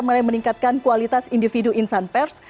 mulai meningkatkan kualitas individu insan pers